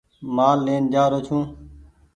مآل لين جآرو ڇو ۔